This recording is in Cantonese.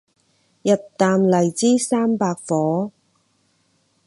日啖荔枝三百顆